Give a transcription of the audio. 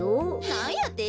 なんやて？